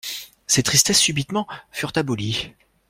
Ses tristesses subitement furent abolies.